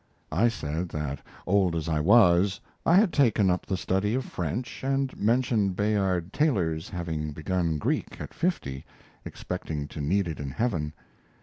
I said that, old as I was, I had taken up the study of French, and mentioned Bayard Taylor's having begun Greek at fifty, expecting to need it in heaven.